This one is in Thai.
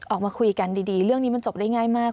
ออกมาคุยกันดีเรื่องนี้มันจบได้ง่ายมาก